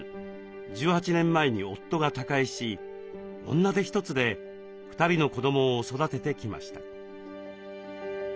１８年前に夫が他界し女手一つで２人の子どもを育ててきました。